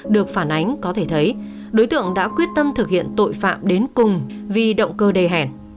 đối tượng đã quyết tâm thực hiện tội phạm đến cùng vì động cơ đề hẹn